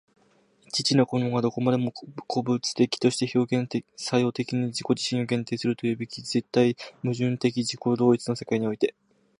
一々の個物がどこまでも個物的として表現作用的に自己自身を限定するというべき絶対矛盾的自己同一の世界において、